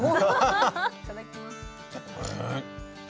いただきます。